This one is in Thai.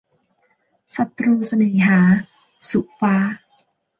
ศัตรูเสน่หา - สุฟ้า